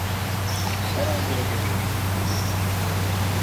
Her an burada olabilir.